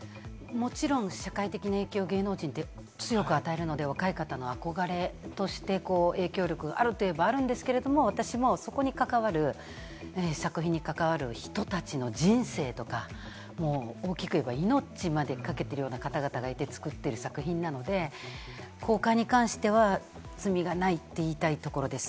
もちろん社会的な影響を芸能人って強く与えるので、若い方の憧れとして影響力があるといえばあるんですけれども、私もそこに関わる、作品に関わる人たちの人生とか、大きければ命までかけてる方々がいて作っている作品なので、公開に関しては罪がないって言いたいところです。